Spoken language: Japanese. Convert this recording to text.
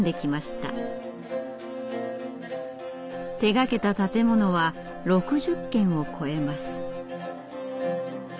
手がけた建物は６０軒を超えます。